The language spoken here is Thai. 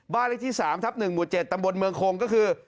บ้านเลขที่๓ทับ๑หมู่๗ตำบลเมืองคงก็คือ